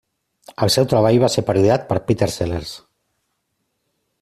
El seu treball va ser parodiat per Peter Sellers.